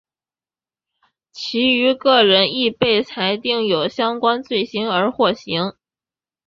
其余各人亦被裁定有相关罪行而获刑。